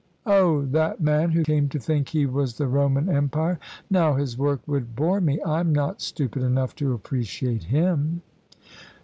Oh, that man who came to think he was the Roman Empire. Now his work would bore me I'm not stupid enough to appreciate him."